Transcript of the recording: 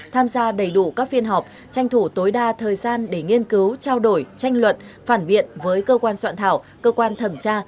tham gia đầy đủ các phiên họp tranh thủ tối đa thời gian để nghiên cứu trao đổi tranh luận phản biện với cơ quan soạn thảo cơ quan thẩm tra